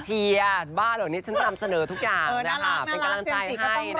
เชียร์บ้าเหรอนี่ฉันนำเสนอทุกอย่างนะคะเป็นกำลังใจให้นะคะ